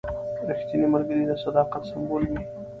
رښتینی ملګری د صداقت سمبول وي.